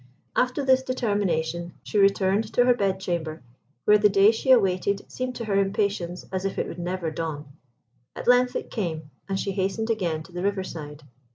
After this determination she returned to her bed chamber, where the day she awaited seemed to her impatience as if it would never dawn. At length it came, and she hastened again to the riverside.